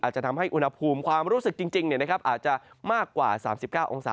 จะทำให้อุณหภูมิความรู้สึกจริงอาจจะมากกว่า๓๙องศา